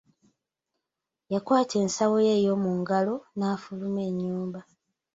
Yakwata ensawo ye ey'omu ngalo, n'affuluma ennyumba.